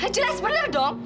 jelas bener dong